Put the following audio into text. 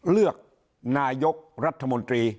เลือกนายกรัฐมนตรี